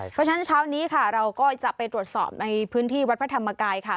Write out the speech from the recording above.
เพราะฉะนั้นเช้านี้ค่ะเราก็จะไปตรวจสอบในพื้นที่วัดพระธรรมกายค่ะ